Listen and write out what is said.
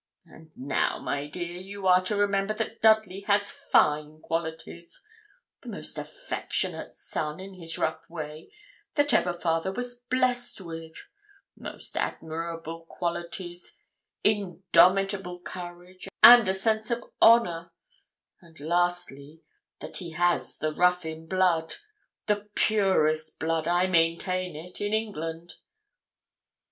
'And now, my dear, you are to remember that Dudley has fine qualities the most affectionate son in his rough way that ever father was blessed with; most admirable qualities indomitable courage, and a high sense of honour; and lastly, that he has the Ruthyn blood the purest blood, I maintain it, in England.'